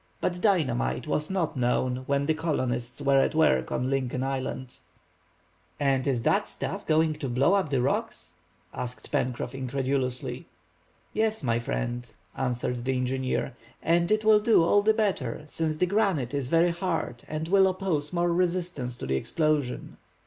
But dynamite was not known when the colonists were at work on Lincoln Island. "And is that stuff going to blow up the rocks?" asked Pencroff, incredulously. "Yes, my friend," answered the engineer, "and it will do all the better since the granite is very hard and will oppose more resistance to the explosion."